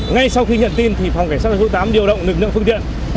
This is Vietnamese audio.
ngay sau khi nhận tin thì phòng cảnh sát phòng cháy chữa cháy điều động lực lượng phương tiện